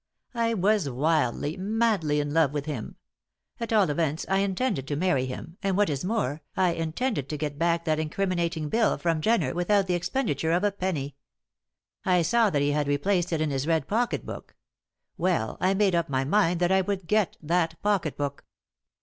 I was wildly madly in love with him. At all events, I intended to marry him, and what is more, I intended to get back that incriminating bill from Jenner without the expenditure of a penny. I saw that he had replaced it in his red pocket book; well, I made up my mind that I would get that pocket book."